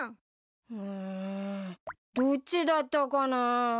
うんどっちだったかな？